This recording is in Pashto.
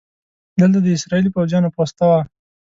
دلته د اسرائیلي پوځیانو پوسته وه.